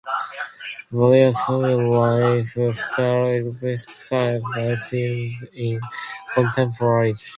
Various family life-styles exist side by side in contemporary Japan.